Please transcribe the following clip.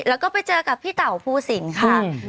แล้วก็ไปเจอกับพี่เต่าภูสิงค่ะ